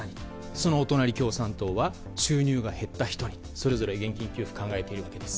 そのお隣、共産党は収入が減った人にそれぞれ現金給付を考えているわけです。